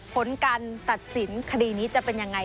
ผลการตัดสินคดีนี้จะเป็นยังไง